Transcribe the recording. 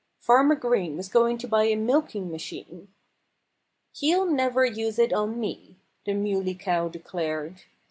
Farmer Green was going to buy a milking machine! "He'll never use it on me," the Muley Cow declared.